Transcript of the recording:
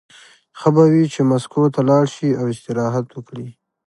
ښه به وي چې مسکو ته لاړ شي او استراحت وکړي